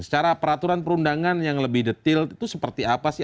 secara peraturan perundangan yang lebih detail itu seperti apa sih